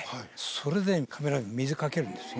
それでカメラに水かけるんですよ。